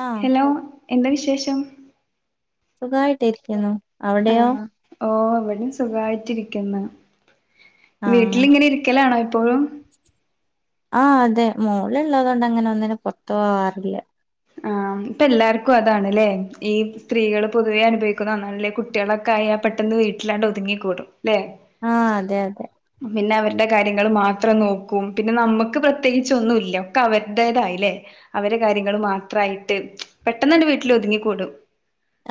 ആഹ് hello എന്താ വിശേഷം? സുഖായിട്ടിരിക്കുന്നു. അവിടെയോ ആ ഓ വിടേം സുഖായിട്ടിരിക്കുന്നു ആഹ് വീട്ടിലിങ്ങനെ ഇരിക്കലാണോ ഇപ്പോഴും ആഹ അതെ മോള് ള്ളതൊണ്ട് അങ്ങനെ ഒന്നിനും പുറത്തു പോവാറില്ല ആ ഇപ്പൊ എല്ലാർക്കും അതാണ്ല്ലേ ഈ സ്ത്രീകൾ പൊതുവെ അനുഭവിക്കുന്ന ഒന്നാണ് അല്ലെ കുട്ടികളൊക്കെ ആയ പെട്ടന്ന് വീട്ടിലണ് ഒതുങ്ങികൂടും ല്ലേ ആഹ് അതെ അതെ [unintelligible] കാര്യങ്ങൾ മാത്രം നോക്കും പിന്നെ നമുക്ക് പ്രത്യേകിച്ച് ഒന്നുല്ലാ ഒക്കെ അവരുടേതായില്ലേ കാര്യങ്ങൾ മാത്രായിട്ട് പെട്ടന്നണ്ട് വീട്ടിൽ ഒതുങ്ങിക്കൂടും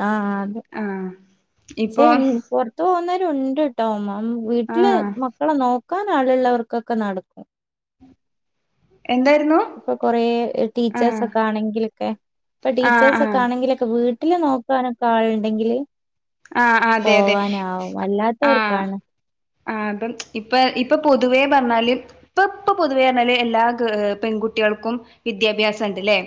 ആഹ അതെ ആഹ് ച്ചെ ഇപ്പൊ പുറത്ത് പോകുന്നവരുണ്ട്. [unintelligible] വീട്ടിൽ ആഹ് മക്കളെ നോക്കാൻ ആള്ഇള്ളവർക്കൊക്കെ നടക്കും എന്തായിരുന്നു ഇപ്പൊ കൊറേ ആഹ് ടീച്ചേഴസൊക്കെ ആണെങ്കിലൊക്കെ ഇപ്പൊ ആഹ് ടീച്ചേഴ്സൊക്കെ ആഹ് ആണെങ്കിലൊക്കെ വീട് വീട്ടില് നോക്കാനൊക്കെ ആള്ണ്ടെങ്കിൽ. ആഹ അതെ അതെ ആഹ അല്ലാത്തവർക്കാണ് ആ അപ്പം ഇപ്പൊ ഇപ്പൊ പൊതുവേ പറഞ്ഞാലും ഇപ്പ ഇപ്പൊ പൊതുവേ പറഞ്ഞല് എല്ലാ ഗേ പെൺകുട്ടി കുട്ടികൾക്കും വിദ്യാഭ്യാസംുണ്ട്ല്ലേ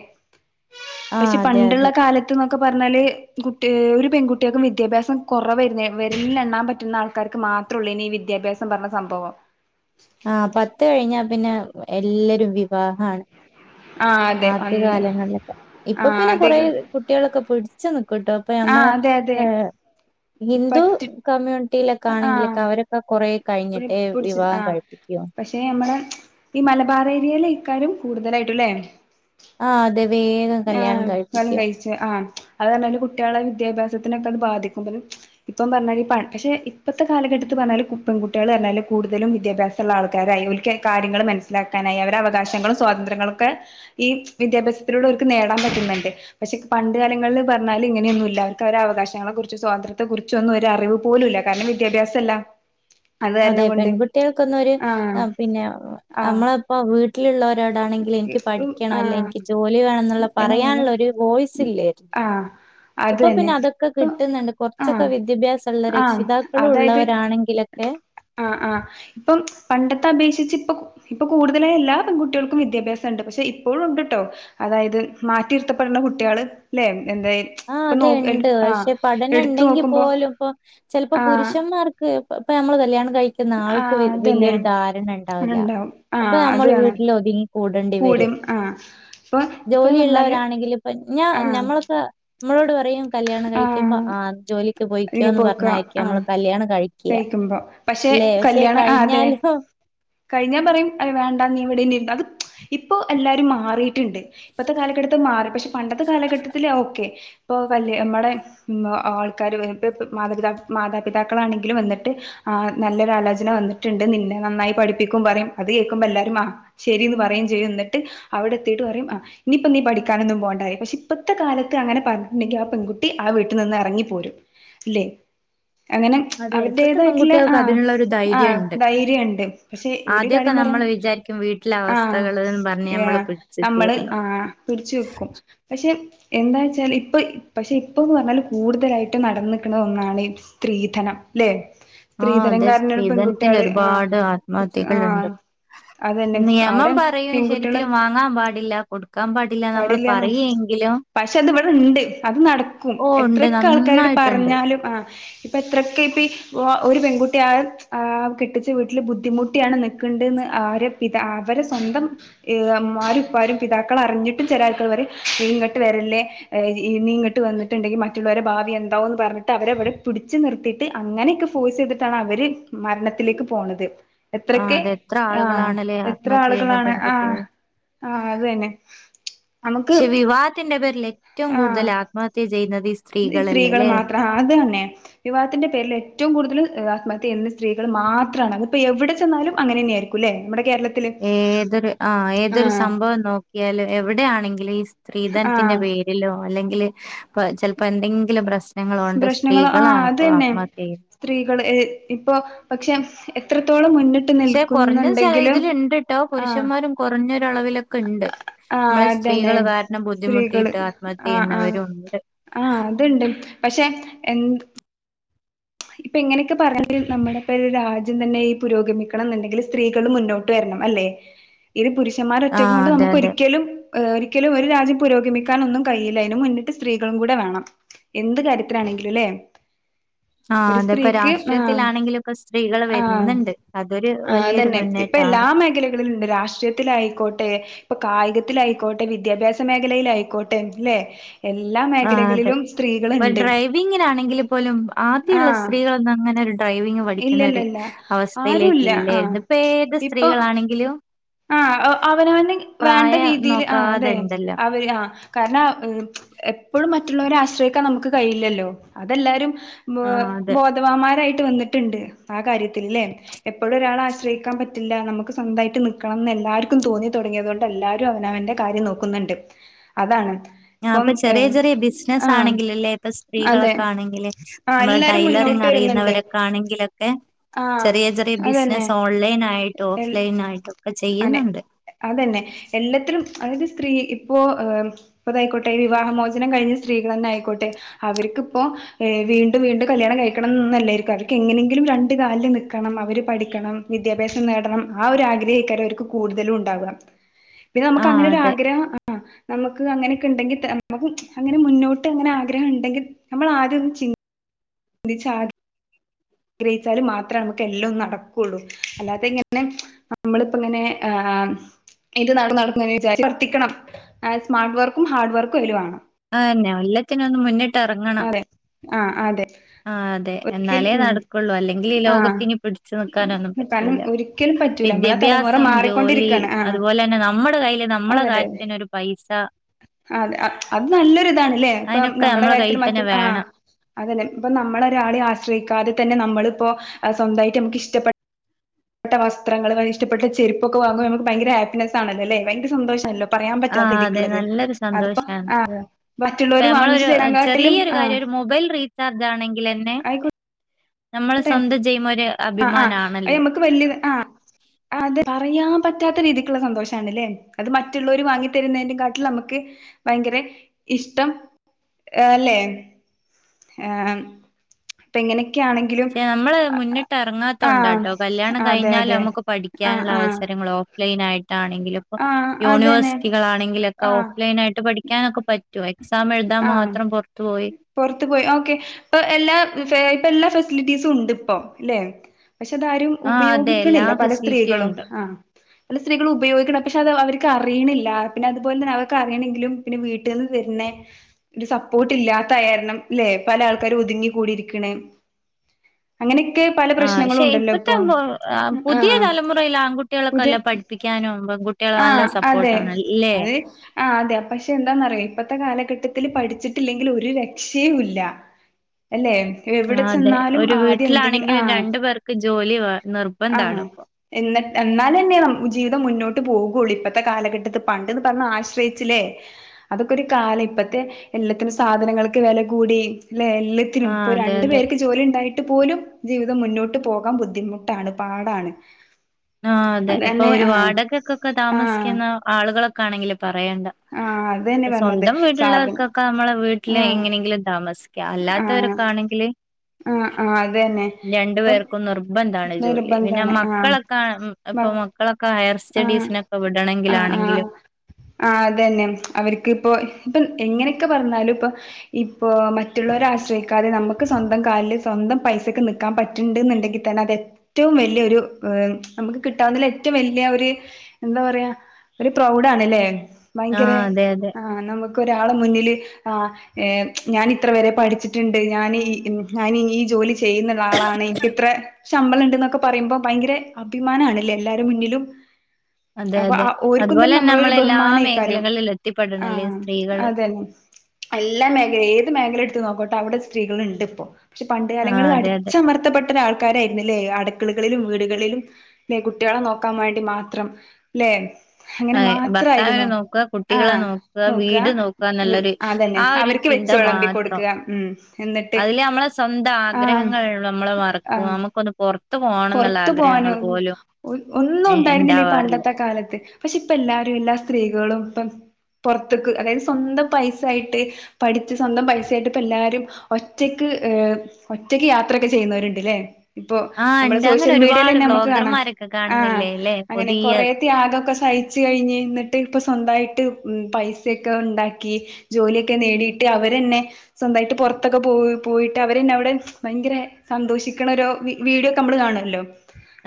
ആഹ് പക്ഷെ അതെ പണ്ടുള്ള അതെ കാലത്ത് എന്നൊക്കെ പറഞ്ഞാല് കുട്ടി ഒരു പെൺകുട്ടിയക്കും വിദ്യ വിദ്യാഭ്യാസം കുറവരുന്ന വരുന്നിൽ എണ്ണാൻ പറ്റുന്ന ആൾക്കാർക്ക് മാത്രമ ഉള്ളൂ ഇനി ഈ വിദ്യാഭ്യാസം പറഞ്ഞ സംഭവം ആഹ പത്ത് കഴിഞ്ഞാ പിന്നെ എല്ലരും വിവാഹമാണ് ആഹ് അതെ അന്ന് ആദ്യകാലങ്ങളിലൊക്കെ ഇപ്പൊ ആഹ് പിന്നെ അതെ കൊറ കുട്ടികളൊക്കെ പിടിച്ചു നിക്കട്ടോ അപ്പൊ നമ്മള ആഹ് അതെ അതെ ഹിന്ദു പറ്റി കമ്മ്യൂണിറ്റിയിലൊക്കെ ആഹ് ആണെങ്കിലൊക്കെ അവരൊക്കെ കൊറെ കഴിഞ്ഞിട്ട് വിവാഹം കഴിപ്പിക്കോ നമ്മ ഈ മലബാറ ഏരിയയിലെ ഇക്കാര്യം കൂടുതലായിട്ടുംല്ലേ ആ അതെ വേഗം ആഹ കല്യാണം കലം കഴിപ്പിക്കും കഴിച്ച് ആ അഞ്ഞല് കുട്ടികളുടെ വിദ്യാഭ്യാസ ത്തിൊക്കെ അത് ബാധിക്കുമ്പും ഇപ്പം പറഞ്ഞാല് പക്ഷെ ഇപ്പത്തെ കാലഘട്ടത്ത് പറഞ്ഞാ പെൺകുട്ടികൾ കൂടുതലും വിദ്യാഭ്യാസമുള്ള ആൾക്കാരായി ഒ കാര്യങ്ങൾ മനസ്സിലാക്കാനായി അവര അവകാശങ്ങളും സ്വാതന്ത്ര്യങ്ങളൊക്കെ ഈ വിദ്യാഭ്യാസത്തിലുള്ള നേടാൻ പറ്റുന്നുണ്ട് പക്ഷെ പണ്ട് കാലങ്ങളിൽ പറഞ്ഞാല് ഇങ്ങനെയൊന്നുംല്ല അവർക്ക് അവ അവകാശങ്ങളെ കുറിച്ച് സ്വാതന്ത്ര്യത്തെ കുച്ച് കുൊന്നും ഒരു അറിവ് പോലുംല്ല കാരണം വിദ്യാഭ്യാസല്ല അത് അതെ കാരണം കൊണ്ട് പെൺകുട്ടികൾക്കൊന്നരു ആഹ് പിന്നെ ആഹ് നമ്മള ഇപ്പോ വീട്ടിലുള്ളവ രോടാണെങ്കിൽ എനിക്ക് പഠിക്കണം അല്ലെ ആഹ് എനിക്ക് ജോലി വേണം എന്നുള്ള എണ മോളെ പറയാനുള്ള ഒരു വോയ്സ ഇല്ലായിരുന്നു ആഹ് അത് ഇപ്പൊ തന്നെ പിന്നെ അതൊക്കെ ഇപ്പൊ കിട്ടുന്നുണ്ട് കുറച്ചൊക്കെ ആഹ് വിദ്യാഭ്യാസമ ഉുള്ള ആഹ് രക്ഷിതാക്കളും ഉള്ളവരാണെങ്കിലൊക്കെ ആ് ആ് ഇപ്പം പണ്ടത്തെ അപേക്ഷിച്ച് ഇപ്പൊ ഇപ്പൊ കൂടുതലായ എല്ലാ പെൺകുട്ടികൾക്കും വിദ്യാഭ്യാസംുണ്ട് പക്ഷെ ഇപ്പോഴും ഉണ്ട് ട്ടോ അതായത് മാറ്റിയിരുത്തപ്പെടുന്ന കുട്ടികൾ അല്ലെ ആഹ അതെ ഉണ്ട് പക്ഷെ പഠനം എടുത്തു ഉണ്ടെങ്കിൽ നോക്കുമ്പോ പോലും ഇപ്പൊ ചിലപ്പോ ആഹ് പുരുഷന്മാർക്ക് ഇപ്പ നമ്മള് കല്യാണം കഴിക്കുന്ന ആൾക്ക് ആഹ് അതന്നെ വലിയൊരു ധാരണ ഉണ്ടാവില്ല ഉണ്ടാവും അപ്പൊ ആഹ് നമ്മൾ അതാണ് വീട്ടിൽ ഒ കൂടേണ്ടി വരും കൂടും ആഹ് ഇപ്പൊ ഇപ്പൊ പറഞ്ഞാല് ജോലിള്ളവരാണെങ്കില ഇപ്പം ഞാ ആഹ് ഞമ്മളൊക്കെ നമ്മളോട് പറയും കല്യാണം കഴിക്കുമ്പോ ആഹ് ആ ജോലി പോൊയ്ക്കോ എന്ന് പറഞ്ഞരിക്കും നമ്മള് കല്യാണം കഴിക്ക തഹക്കുമ്പോ പക്ഷെ കല്യാണം ആ അതെ കഴിഞ്ഞാലോ കഴിഞ്ഞാ പറയും അ വേണ്ട നീ ഇവിടെന്നണ്ടത് ഇപ്പോ എല്ലാരും മാറിയിട്ടുണ്ട് ഇപ്പത്തെ കാലഘട്ടത്ത് മാറി പക്ഷെ പണ്ടത്തെ കാലഘട്ടത്തില് ഓക്കെ ഇപ്പോൾ വല് നമ്മുടെ ആൾക്കാർ ഇ മാതാി മാതാപിതാക്കളാണെങ്ക വിട്ട് ആ നല്ലൊരലോചന വന്നിട്ടുണ്ട് നിന്നെ നന്നായി പഠിപ്പിക്കും പറയും അത് കേൾക്കുമ്പോൾ എല്ലാവരും ആ ശരിന്ന് പറയും ചെയ്തു എന്നിട്ട് അവിടെ എത്തിീട്ട് പറയും ആ ഇനിയിപ്പ നീ പഠിക്കാനൊന്നും പോകണ്ടായി പക്ഷെ ഇപ്പഴത്തെ കാലത്ത് അങ്ങനെ പറഞ്ഞിട്ടുണ്ടെങ്കിൽ ആ പെൺകുട്ടി ആ വീട്ടിൽ നിന്ന് ഇറങ്ങി പോരും അല്ലെ അങ്ങനെ അതെ ഇപ്പത്തെ അവരുേതായിട്ടുള്ള പെൺകുട്ടികൾക്ക് ആ അതിനുള്ള ഒരു ആ ധൈര്യം ഉണ്ട് ധൈര്യംുണ്ട് പക്ഷെ ഒരു ആദ്യമൊക്കെ കാര്യം പറയാൻ നമ്മൾ വിചാരിക്കും വീട്ടിലെ അവസ്ഥകൾന്ന് പറഞ്ഞ് നമ്മള് ആഹ പിടിച്ച് നമ്മള് നിക്കായിരുന്നു ആഹ പിടച്ച്ു വെക്കും പക്ഷെ എന്താ വച്ചാൽ ഇപ്പൾ പക്ഷെ ഇപ്പോൾന്ന് പറഞ്ഞാൽ കൂടുതലായിട്ട് നടന്ന് നിൽക്കുന്ന ഒന്നാണ് സ്ത്രീധനം ല്ലെ ആഹ സ്ത്രീധനം അതെ കാരണാണ് സ്ത്രീധനത്തിന് പെൺകുട്ടികള് ആഹ് ഒരുപാട് ആഹ് ആത്മഹത്യകൾുണ്ട് അതന്നെ നിയമം അവിടെ പറയൂ പെൺകുട്ടികളും ശരിക്കലും വാങ്ങാൻ പാടില്ല കൊടുക്കാൻ പാടില്ല നമ്മൾ പാടില്ലാന്നോ പറയെങ്കിലും പക്ഷെ അത് ഇവിടെ ഉണ്ട് അത് നടക്കും ഓ ഉണ്ട് എത്രയൊക്കെ ആൾക്കാരോട് നന്നായിട്ടുണ്ട് പറഞ്ഞാലും ആ ഇപ്പൊ എത്രൊക്കെ ഒരു പെൺകുട്ടിയ ആ കെട്ടിച്ച വീട്ടില് ബുദ്ധിമുട്ടിയാണ് നിൽക്കേണ്ടന്ന് ആരെ അവരെ സ്വന്തം മ്മാരുംഇപ്പാരും പിതാക്കൾ അറിഞ്ഞിട്ടും ചില ആൾക്കൾ വരെ ഇ ഇങ്ങോട്ട് വരല്ല. ല്ലെ നീ ഇങ്ങട്ട് വന്നിട്ടുണ്ടെങ്കിൽ മറ്റുള്ളവരുടെ ഭാവി എന്താവൊന്ന് പറഞ്ഞിട്ട് അവരെവിടെ പിടിച്ചു. നിർത്തിട്ട് അങ്ങനെയൊക്കെ ഫോഴസ് ചെയ്തിട്ടാണ് അവര് മരണത്തിലേക്ക് പോണത്. ആഹ് എത്രക്കെ അത് എത്ര ആഹ ആളുകളാണല്ലേ എത്ര ആത്മഹത്യ ചെയ്യുന്ന ആളുകളാണ് ആ പെൺകുട്ടികൾ ആഹ അത് തന്നെ നമുക്ക് പക്ഷെ വിവാഹത്തിന്റെ പേരിൽ ഏറ്റവും ആഹ് കൂടുതൽ ആത്മഹത്യ ചെയ്യുന്നത് സ്ത്രീ ഈ സ്ത്രീകൾ മാത്രം അത് തന്നെ വിവാഹത്തിന്റെ പേരിൽ ഏറ്റവും കൂടുതൽ ആത്മഹത്യ ചെയുന്ന സ്ത്രീകൾ മാത്രമാണ്. അ ഇപ്പോ എവിടെ ചെന്നാലും അങ്ങനെന്നെയായിരിക്കുംല്ലെ നമ്മ ഏതൊരു ആ ഏതൊരു ആഹ് സംഭവം നോക്ക്യാലും എവിടെയാണെങ്കിലും ഈ സ് ത്രീധൻത്തിന്റെ ആഹ് പേരിലോ അല്ലെങ്കില് പ് ചെൽപ്പോ എന്തെങ്കിലും പ്രശ് പ്രശ്നങ്ങൾ ആ അതന്നെ ചെയ്യുന്നത് സ്ത്രീകള് ഏ ഇപ്പോ പക്ഷെ എത്രത്തോളം മുന്നിട്ട് ഷെ കുർഞ്ഞ നിൽക്കുന്നുണ്ടെങ്കിലും ചെലേതിലിണ്ട്ട്ടോ ആഹ് പുരുഷമ്മാരും കൊർഞ്ഞൊരളവിലൊക്കെണ്ട്. ആഹ് മ്മള് അതന്നെ സ്ത്രീകള് കാര്ണം സ്ത്രീകള് ബുദ്ധിമുട്ടീട്ട് ആഹ് ആഹ് ആത്മഹത്യെയ്യുന്നവരുണ്ട്. ആഹ് അതിണ്ട് പഷെ എൻ ഇപ്പിങ്ങനെക്കെ പർഞ്ഞാൽ നമ്മുടെ ഇപ്പൊ ഒരു രാജ്യം തന്നെ ഈ പുരോഗമിക്കണന്നിണ്ടെങ്കില് സ്ത്രീകളെ മുന്നോട്ട് വരണം. അല്ലേ ഇത് പുരുഷന്മാര് ആഹ് ഒറ്റക്കൊണ്ട് അതെ നമുക്ക് അതെ ഒരിക്കലും ഏ ഒരിക്കലും ഒരു രാജ് പുരോഗമിക്കാനൊന്നും കഴിയില അയ്ന് മുന്നിട്ട് സ്ത്രീകളും കൂടെ വേണം. എന്ത് കാര്യത്തിനാണെങ്കിലും ലേ ആ അതെ പ്പൊ രാഷ്ട്ര്യത്തിലാണെങ്കിലു ഒക്കെ സ്ത്രീകള് ആഹ് വര്ന്നിണ്ട് അതൊരു ആഹ് വല്യൊരു അതന്നെ മുന്നേറ്റ് ഇപ്പൊ എല്ലാ മേഖലകളിലിണ്ട് രാഷ്ട്രീയത്തിലായിക്കോട്ടെ, ഇപ്പൊ കായികത്തിലായിക്കോട്ടെ വിദ്യാഭ്യാസ മേഖലയിലായിക്കോട്ടെ ലെ ആ അതെ പ ഡ്രൈവിങ്ങിനാണെങ്കിൽ പോലും ആ തിള്ള ആഹ് സ്ത്രീകളൊന്നും അങ്ങനെരു ഡ്രൈവ് ഇല്ല ഇല്ല പഠിക്കിന്നൊര് ഇല്ല ആരുല്ല ആഹ് അവസ്ഥയിലേക്കല്ലേര്ന്നു ഇപ്പേത് ഇപ്പൊ സ്ത്രീകളാണെങ്കിലും. ആഹ് അവനവന് വേണ്ട പ്രായം രീതീൽ ആ നോക്കാതെ അതെ ഉണ്ടല്ലോ അവര് ആ കാര്ണം ആ ഏ എപ്പളും മറ്റുള്ളോരെ ആശ്രയിക്കാൻ നമുക്ക് കഴയില്ലല്ലോ അതെല്ലാരും ബ് ആഹ് അതെ ബോധവാമ്മാരായി ട്ട് വന്നിട്ടിണ്ട് ആ കാര്യത്തില് ലേ എപ്പഴും ഒരാളെ ആശ്രയിക്കാൻ പറ്റില്ല നമുക്ക് സ്വന്തായിട്ട് നി ക്കണംന്ന് എല്ലാർക്കും തോന്നി തൊടങ്ങിയതോണ്ട് എല്ലാരും അവനവന്റെ കാര്യം നോക്കുന്നിണ്ട് അതാണ്. ആ ഇപ്പം പ്പൊ ചെറ്യെ ഏഹ് ചെറ്യെ ആഹ് ബിസ്നസാണെങ്കില് ലെ ഇപ്പ അതെ സ്ത്രീകളൊക്കാണെങ്കില് ആഹ് മ്മളെ എല്ലാരും ടൈലറി മുന്നോട്ട് വരുന്നുണ്ട് ങ്ങറിയുന്നവരൊക്ക ആണെങ്കിലൊക്കെ ആഹ് ചെറിയ ചെറിയ അതന്നെ ബിസിനസ്സ് ഓൺലൈൻ ആയിട്ടോ എൽ ഓഫ്ലൈൻ ആയിട്ടോ. അനെ അതന്നെ എല്ലത്തിലും അതായത് സ്ത്രീ ഇപ്പോ ഹ് ഇപ്പതായിക്കോട്ടെ വിവാഹമോചനം കഴിഞ്ഞ സ്ത്രീകളെന്നായിക്കോട്ടെ അവര് ക്കിപ്പൊ ഏ വീണ്ടും വീണ്ടും കല്യാണം കഴിക്കണം ന്നല്ലായിരിക്കും അവർക്ക് എങ്ങനെങ്കിലും രണ്ട് കാല്ല് നിക്കണം അവര് പ ഠിക്കണം വിദ്യാഭ്യാസം നേടണം ആ ഒരു ആഗ്രഹേക്കാരൊ ര്ക്ക് കൂടുതലും ഉണ്ടാവ പിന്നെ ആ നമുക്കങ്ങനെരു അതെ ആഗ്രഹം ആ നമുക്ക് അങ്ങനെക്കെ ഇണ്ടെങ്കി ത നമുക്ക് അങ്ങനെ മുന്നോട്ട് അങ്ങനെ ആഗ്രഹം ഇണ്ടെങ്കിൽ നമ്മൾ ആദ്യൊന്ന് ചിൻ [unintelligible] ആഗ്രഹിച്ചാല് മാത്രാ നമുക്കെല്ലോം നടക്കുള്ളൂ അല്ലാതെ ഇങ്ങനെ നമ്മളിപ്പോങ്ങനെ ആ ഇത് നട നടക്കുന്ന് വിചാര്ച്ച് ർതിക്കണം ഏ സ്മാർട്ട് വർക്കും ഹാർഡ് വർക്കും ഇതില് വാണം. ആന്നെ അല്ലത്തിനൊന്ന് മുന്നിട്ട് എർങ്ങണം. ആ അതെ ആ അതെ ഒരിക്കൽ എന്നാലേ ഉം നടക്കുള്ളൂ അല്ലെങ്കിൽ ഈ ആഹ് ലോകത്തിനി പിടിച്ചു നിക്കാനൊന്നും കാരണം പറ്റൂല. ഒരിക്കലും പറ്റൂല നമ്മളെ തലമുറ വിദ്യാഭ്യാസം ജോലി മാറിക്കൊണ്ടിരിക്കാണ് ആഹ് അതുപോലെന്നെ നമ്മുടെ കൈല് നമ്മള അതെ അതെ കാര്യത്തിന് ഒരു പൈസ അതെ അത് നല്ലൊരു ഇതാണ് ല്ലേ ഇപ്പം അതിനൊക്കെ നമ്മുടെ നമ്മളെ കാര്യത്തിൽ കയ്യിൽ മറ്റു തന്നെ ആ വേണം അതന്നെ ഇപ്പൊ നമ്മള ഒരാളെ ആശ്രയിക്കാതെ തന്നെ നമ്മളിപ്പോ സ്വന്തായിട്ട് നമുക്ക് ഇഷ്ടപ്പെ ഇഷട്ട വസ്ത്രങ്ങൾ ഇഷ്ടട്ട ചെരുപ്പൊക്കൊ്പോ നമു ഭയങ്ക ഹാപ്പിനെ ആണല്ല ഭയര സന്തോഷണല്ലോ പറയാൻ ആ പറ്റാത്ത അതെ ഇതിക്ക്ള്ളത് നല്ലൊരു അതിപ്പോ സന്തോഷാണ് ആഹ് മറ്റുള്ളവര് വാങ്ങിച്ചു തരാങ്കാട്ടിലും ആഹ് ൊ െ ന ആയിക്കോട്ടെ [unintelligible] ആഹ് ആഹ് അയ് നമുക്ക് വല്യത് ആഹ് അത് പറയാൻ പറ്റാത്ത രീതി ക്ക്ള്ള സന്തോഷണല്ലേ അത് മറ്റുള്ളവര് വാങ്ങി തരുന്നേന്റെ കാട്ടില് നമുക്ക് ഭയങ്കര ഇഷ്ടം ആ അല്ലെ ആഏ ഇപ്പ എങ്ങനെയൊക്കെയാണെങ്ക ശെ നമ്മൾ മുന്നിട്ട് ആഹ് ഇറങ്ങാത്തൊണ്ടാട്ടോ കല്യാണം അതെ കഴിഞ്ഞാാല അതെ നമുക്ക് ആഹ് പഠിക്കാനുള്ള ആഹ് അവസരങ്ങളോ ഓഫലൈൻ ആയിട്ട് ആണെങ്കില ഇപ്പ ആഹ് അതന്നെ യൂണിവേഴ്സിറ്റികൾാണെങ്കിലൊക്കെ ഓഫ്ലൈൻ ആയിട്ട് പഠിക്കാനൊക്കെ പറ്റ ആഹ പറത്ത പോയി ഓക്കെ ഇപ്പൊ എല്ലാ ഇപ്പെല്ല ഫെസിലിറ്റീസും ഉണ്ടിപ്പോം ല്ലേ പക്ഷെ അതാരും ആഹ് അതെ എല്ലാ ഉപയോഗിക്കണില്ല പല ഫെസിലിറ്റിയും സ്ത്രീകളും ഉണ്ട് ആ പല്ല സ്ത്രീകൾ ഉപയോഗിക്കണം പക്ഷെ അത് അവർക്ക് അറിയണില്ല പിന്നെ അതുപോലെ തന്നെ അവർക്ക് അറിയണമെങ്കിലും പിന്നെ വീട്ടിൽ നിന്ന് പിന്നെ ഒരു സപ്പോർട്ട് ഇല്ലാത്തായിാരണം അല്ലെ പല ആൾക്കാരും ഒതുങ്ങി കൂടിരിക്കണേ അങ്ങനെ ആക്ഷെ ഇപ്പത്തെ പുതിയ ആഹ് തലമുറൽ ആൺകുട്ടികളൊക്കെല്ല പഠിപ്പിക്കാനും പൺകു ആഹ അതെ അതെ ആ അതെ പക്ഷെ എന്താന്ന അറിയാം ഇപ്പത്തെ കാലഘട്ടത്തിൽ പഠിച്ചിട്ടില്ലെങ്കിൽ ഒരു രക്ഷയുമ ഇല്ല അല്ലെ എവിടെ ആഹ് അതെ ചെന്നാലും ഒരു ആദ്യം എന്തെങ്കിലും വീട്ടിലാണെങ്കിലും ആഹ രണ്ടു പേർക്ക് ജോലി വേ ആഹ നിർബന്ധാണ് ഇപ്പൊ. എന്നട്ട് എന്നാല തന്നെയ ജീവിതം മുന്നോട്ട് പോുള്ളൂ ഇപ്പഴത്തെ കാലഘട്ടത്ത് പണ്ട്ന്ന് പറഞ്ഞ ആശ്രയിച്ചില്ലേ അതൊക്കെ ഒരു കാലം ഇപ്പത്തെ എല്ലാത്തിനും സാധനങ്ങൾക്ക് വില കൂടിയ അല്ല ആഹ് എല്ലത്തിനുംൊ അതെ രണ്ടു അതെ പേർക്ക് ജോലി ഉണ്ടായിട്ട് പോലും ജീവിതം മുന്നോട്ട് പോകാൻ ബുദ്ധിമുട്ടാണ് പാടാണ് ആ അതെ അപ്പൊ അതന്നെ ഒരു ആഹ് വാടകൊക്കൊക്കെ ആഹ് താമസിക്കുന്ന ആളുകളൊക്കെ ആണെങ്കിലും പറയണ്ട ആഹ് അത് തന്നെ പറഞ്ഞത് സ്വന്തം സാധന വീട്ടുള്ളവർക്കൊക്കെ നമ്മളെ വീട്ടില് ആഹ് എങ്ങനെങ്കിലും താമസിക്കുക ആഹ് അല്ലാത്തവരൊക്കെ ആണെങ്കില് ആഹ് ആഹ് അത് തന്നെ രണ്ടു ഇപ്പം പേർക്കും നിർബന്ധമാണ് ജോലി പിന്നെ നിർബന്ധാണ് മക്കളൊക്കെ ഇപ്പൊ ആഹ് മക്കളൊക്കെ ഹയർ ആഹ് സ്റ്റഡീസിനൊക്കെ ആഹ് ആഹ് വിടണെങ്കിലാണെങ്കിലും ആഹ് അതെന്നെ അവരിക്ക് ഇപ്പോ ഇപ്പം എങ്ങനെയൊക്കെ പറഞ്ഞാലും ഇപ്പം ഇപ്പോ മറ്റുള്ളവരെ ആശ്രയിക്കാതെ നമുക്ക് സ്വന്തം കാലില് സ്വ പൈസൊക്കെ നൽക്കാൻ പറ്റണ്ടുണ്ടെങ്കിൽ തന്നെ അ റ്റവും വലൊരു് നമുക്ക് കിട്ടാവുന്ന ഏറ്റവുംല എന്താ പറയാ ഒരു പ്രൗഡ ആണല്ലേ ഭയങ്കര ആഹ് അതെ അതെ ആ നുക്ക് ള ഞ ഇ പഠിച്ചിട്ടുണ്ട് ഞ ജോലി ചെയ്യുന്നരാളാണ് എനിക്ക് ഇത്ര ശമ്പളം ഉണ്ട് എന്നൊക്കെ പറയുമ്പോ ഭയങ്കര അഭിമാന ആണല്ല എല്ലരുും മുന്നിലും ഉം [unintelligible] അതെ അപ്പൊ അതെ ആ ക്കും അതുപോലെ തന്നെ നമ്മള ഒരു നമ്മളെല്ലാ ബഹുമാനമായിക്കാര്യം മേഖലകളിലും ആ എത്തിപ്പെടണല്ലേ സ്ത്രീകള് അതന്നെ എല്ലാ മേഖല ഏത് മേഖലയ എടുത്ത് നോട്ടെ അവിടെ സ്ത്രീകൾുണ്ട് ഇപ്പോൊ പക്ഷെ പണ്ട് ആഹ് കാലങ്ങളിൽ അതെ അതെ അടിച്ചമർത്തപ്പെട്ട പ ആൾക്കാരായിരുന്നല്ലേ അടക്കളിലും വീടുകളിലും കുട്ടികളെ നോക്കാൻ വേണ്ട മാത്രം അല്ലേെ ആഹ് ഭർത്താവിനെ നോക്കുക, കുട്ടികളെ നോക്കുക, വീട് നോക്കുകാനൊല്ലൊരു അതന്നെ ആ ഒരു അവർക്ക് ചി വെച്ച് ന്താ വിളമ്പി മാത്രം കൊടുക്കുക ഉം എന്നിട്ട് അയില് അമ്മളെ സ്വന്ത ആഹ് ആഗ്രഹങ്ങൾ നമ്മള് മറക്കും ആഹ് നമ്മു റ [unintelligible] പുറത്തു പോകാന് ഒന്നും ഇ- ഉണ്ടായിരുന്നില്ല ഈ ഉണ്ടാവാറില്ല പണ്ടത്തെ കാലത്ത് പക്ഷെ ഇപ്പ എല്ലാരും എല്ലാ സ്ത്രീകളും ഇപ്പം പൊറത്ത്ക്ക് അതായത് സ്വന്തം പൈസായിട്ട് പഠിച്ച് സ്വന്തം പൈസായിട്ട് ഇപ്പ എല്ലാരും ഒറ്റക്ക് ഒറ്റയ്ക്ക് യാത്രൊക്കെ ചെയ്യുന്നവരുണ്ട്ല്ലേ ഇപ്പൊ ആഹ് നമ്മുടെ ഉണ്ട് അങ്ങനെ സോഷ്യൽ മീഡിയയിൽ ഒരുപാട് തന്നെ നമുക്ക് കാണാം വ്ളോഗർമാരൊക്കെ ആഹ് കാണുന്നില്ലേ ല്ലേ അങ്ങനെ പുതിയ കൊറെ ത്യാഗോക്കെ സഹിച്ചു കഴിഞ്ഞ് ന്നിട്ട് ഇപ്പോ സ്വന്തായിട്ട് പൈസൊക്കെ ഒണ്ടാക്കി ജോലിയൊക്കെ നേടിയിട്ട് അവരന്നെ സ്വന്തായിട്ട് പൊ റത്തൊക്കെ പോ പോയിട്ട് അവരന്നെ അവടെ ഭയങ്കരെ സന്തോഷിക്കണ ഓരോ വി വീഡിയോ ക്കമ്മള് കാണല്ലോ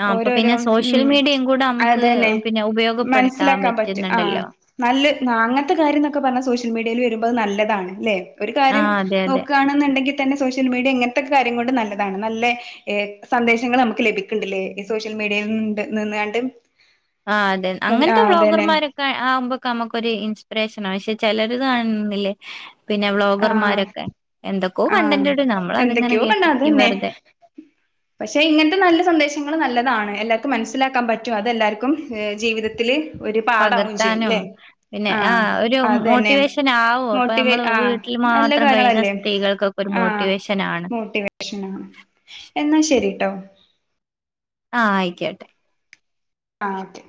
ആ അപ്പൊ ഓരോരോ പിന്നെ സോഷ്യൽ ഉം മീഡിയയും കൂടെ നമുക്ക് അതന്നെ പിന്നെ ഉപയോഗപ്പെടുത്താൻ മനസിലാക്കാൻ പറ്റും ആഹ് പറ്റുന്നുണ്ടല്ലോ നല്ല അങ്ങനത്തെ കാര്യംനൊക്കെ പറഞ്ഞൽ സോഷ്യൽ മീഡിയ [unintelligible] വരുമ്പോ അത് നല്ലതാണ് ല്ലേ ഒരു കാര്യം ആഹ് അതെ അതെ നോക്കാണ്ന്ന്ണ്ടെങ്കിൽ തന്നെ സോഷ്യൽ മീഡിയ ഇങ്ങനത്തെക്കക്കാര്യം കൊണ്ട് നല്ലതാണ് നല്ലേ ഏഹ് സന്ദേശങ്ങള് അമ്മ്ക്ക് ലഭിക്ക്ണ്ടല്ലേ ഈ സോഷ്യൽ മീഡിയിണ്ട് നിന്നാണ്ട്. ആഹ് അതെ അങ്ങനത്തെ ആഹ് അതന്നെ വ്ളോഗർമാരൊക്കെ ആവുമ്പോക്കെ നമുക്ക ഒരു ഇൻസ്പിറേഷന പക്ഷെ ചെലരത് കാണുന്നില്ലേ പിന്നെ ആഹ് വ്ലോഗർമാരൊക്കെ എന്തൊ ആഹ് എന്തൊക്കെയോ കണ്ടാതന്നെ. വെറുതെ പക്ഷെ ഇങ്ങൻത്ത നല്ല സന്ദേശങ്ങൾ നല്ലതാണ്. എല്ലാവർക്കും മനസ്സിലാക്കാൻ പറ്റും അതെല്ലാവർക്കും ജീവിതത്തിൽ പകർത്താനും പിന്നെ ആ ആഹ് ഒരു അതന്നെ മോട്ടിവേഷൻ ആവും അപ്പൊ മോട്ടിവേ നമ്മള വീട്ടിലും മാത്രം കഴിഞ്ഞ സ്ത്രീകൾകൊ ആഹ് മോട്ടിവേഷൻ ആഹ് എന്നാ ശരിട്ടോ ആഹ് ആയിക്കോട്ടെ ആഹ് ഒക്കെ